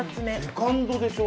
セカンドでしょ？